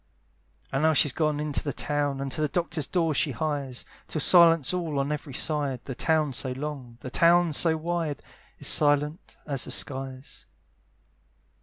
And now she's got into the town, And to the doctor's door she hies; Tis silence all on every side; The town so long, the town so wide, Is silent as the skies.